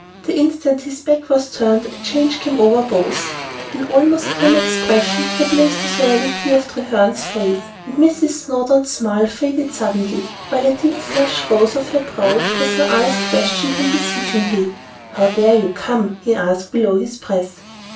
The instant his back was turned, a change came over both: an almost grim expression replaced the suavity of Treherne's face, and Mrs. Snowdon's smile faded suddenly, while a deep flush rose to her brow, as her eyes questioned his beseechingly. "How dared you come?" he asked below his breath.